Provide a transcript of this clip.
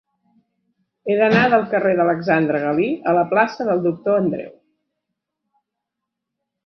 He d'anar del carrer d'Alexandre Galí a la plaça del Doctor Andreu.